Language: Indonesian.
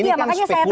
ini kan spekulatif